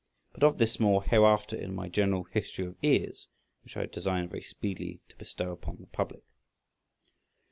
But of this more hereafter in my general "History of Ears," which I design very speedily to bestow upon the public.